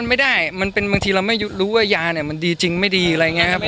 นี่พวกหลานดีไม่ได้เนาะ